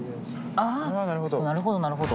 あぁなるほどなるほど。